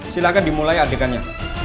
silahkan dimulai adegannya